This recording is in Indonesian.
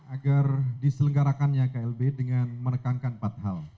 agar diselenggarakannya klb dengan menekankan empat hal